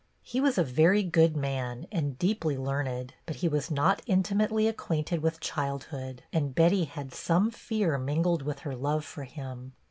He was a very good man, and deeply learned ; but he was not intimately acquainted with childhood, and Betty had some fear mingled with her love for him.